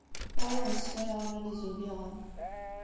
Ur awen-sswayeɣ aman n yizuliɣen.